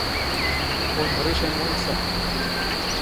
ⵓⵔ ⵖⵔⵉ ⵛⴰ ⵡⴰⵏⵙⴰ.